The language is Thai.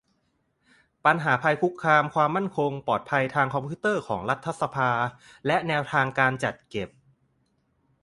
ปัญหาภัยคุกคามความมั่นคงปลอดภัยทางคอมพิวเตอร์ของรัฐสภา และ แนวทางการจัดเก็บ